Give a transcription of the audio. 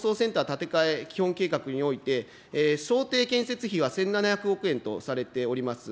建て替え基本計画において、想定建設費は１７００億円とされております。